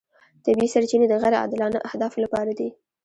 طبیعي سرچینې د غیر عادلانه اهدافو لپاره دي.